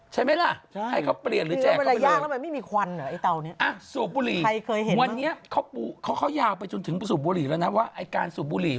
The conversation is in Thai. ใช่ไหมล่ะให้เขาเปลี่ยนหรือแจกเขาไปเลยสูบบุหรี่วันนี้เขายาวไปจนถึงสูบบุหรี่แล้วนะครับว่าการสูบบุหรี่